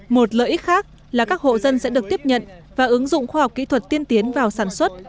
một lợi ích khác là các hộ dân sẽ được tiếp nhận và ứng dụng khoa học kỹ thuật tiên tiến vào sản xuất